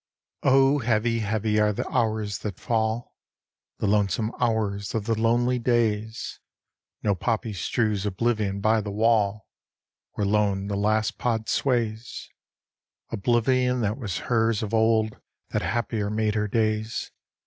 Oh, heavy, heavy are the hours that fall, The lonesome hours of the lonely days! No poppy strews oblivion by the wall, Where lone the last pod sways, Oblivion that was hers of old that happier made her days.